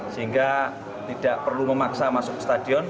sehingga tidak perlu memaksa masuk stadion